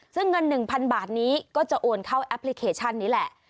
ซึ่งเงิน๑๐๐๐บาทนี้ก็จะโอนเข้าแอปพลิเคชันนี้แหละ